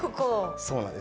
そうなんです。